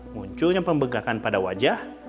munculnya pembegakan pada wajah